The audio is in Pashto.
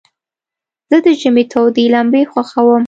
زه د ژمي تودي لمبي خوښوم.